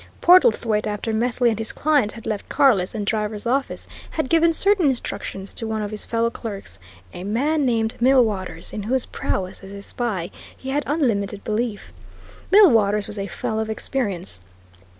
Portlethwaite, after Methley and his client had left Carless and Driver's office, had given certain instructions to one of his fellow clerks, a man named Millwaters, in whose prowess as a spy he had unlimited belief. Millwaters was a fellow of experience.